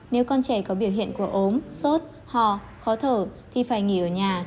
nếu con trẻ có biểu hiện của ốm sốt hò khó thở thì phải nghỉ ở nhà